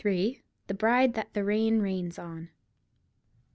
THE BRIDE THAT THE RAIN RAINS ON.